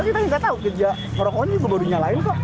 kita nggak tahu kerja merokoknya juga baru dinyalain pak